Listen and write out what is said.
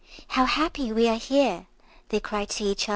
"How happy we are here!" they cried to each other.